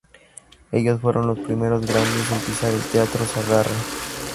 Ellos fueron los primeros grandes en pisar el Teatro Sagarra.